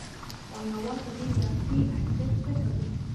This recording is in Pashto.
پانګوال په دې اضافي ارزښت څه کوي